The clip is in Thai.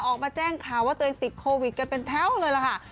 ออกมาแจ้งข่าวว่าตัวเองติดโควิดกันเป็นแถวเลยล่ะค่ะ